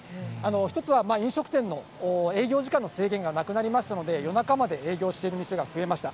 一つは飲食店の営業時間の制限がなくなりましたので、夜中まで営業している店が増えました。